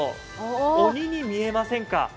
鬼に見えませんか。